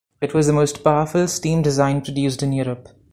It was the most powerful steam design produced in Europe.